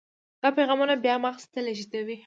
دا پیغامونه بیا مغز ته لیږدوي.